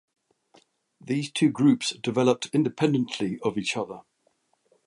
These two groups developed independently of each other.